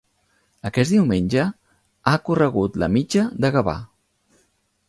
Aquest diumenge he corregut la Mitja de Gavà.